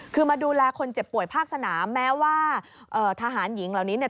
คือมาดูแลคนเจ็บป่วยภาคสนามแม้ว่าเอ่อทหารหญิงเหล่านี้เนี่ย